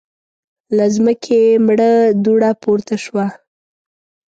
له ځمکې مړه دوړه پورته شوه.